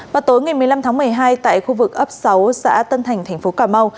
vào tối ngày một mươi năm tháng một mươi hai tại khu vực ấp sáu xã tân thành thành phố cà mau